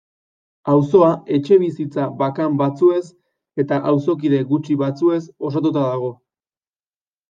Auzoa etxebizitza bakan batzuez eta auzokide gutxi batzuez osatuta dago.